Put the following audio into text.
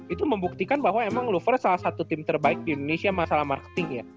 itu membuktikan bahwa emang lever salah satu tim terbaik di indonesia masalah marketingnya